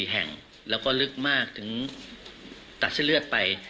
๔แห่งแล้วก็ลึกมากถึงตัดเส้นเลือดไป